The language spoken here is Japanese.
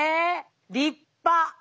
立派！